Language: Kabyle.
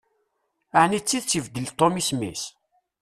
Ɛni d tidet ibeddel Tom isem-is?